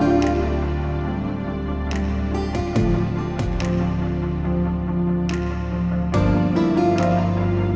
mas cantik banget